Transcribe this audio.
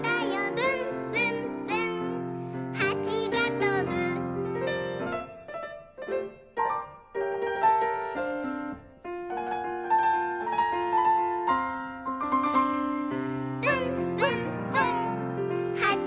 「ぶんぶんぶんはちがとぶ」「ぶんぶんぶんはちがとぶ」